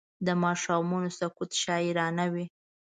د ماښامونو سکوت شاعرانه وي